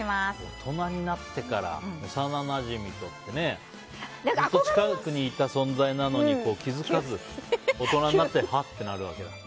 大人になってから幼なじみとってずっと近くにいた存在なのに気づかず、大人になってはっとなるわけだ。